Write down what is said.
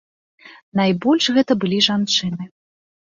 Найбольш гэта былі жанчыны.